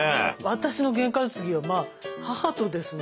私のゲンかつぎはまあ母とですね